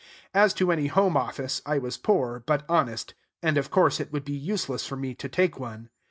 As to any home office, I was poor, but honest; and, of course, it would be useless for me to take one.